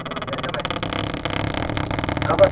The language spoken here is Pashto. قانون سرغړونه کموي.